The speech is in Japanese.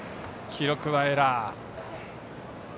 記録はエラー。